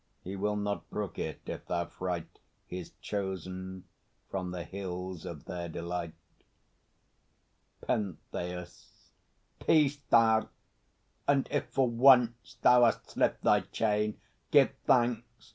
He will not brook it, if thou fright His Chosen from the hills of their delight. PENTHEUS. Peace, thou! And if for once thou hast slipped thy chain, Give thanks!